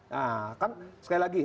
nah kan sekali lagi